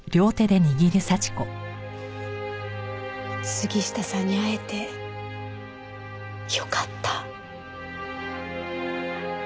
杉下さんに会えてよかった。